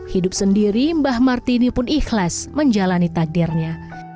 hidup sendiri mbah martini pun ikhlas menjalani takdirnya